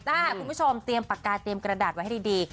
คุณผู้ชมเตรียมปากกาเตรียมกระดาษไว้ให้ดี